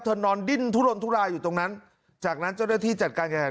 นอนดิ้นทุลนทุรายอยู่ตรงนั้นจากนั้นเจ้าหน้าที่จัดการแข่งขัน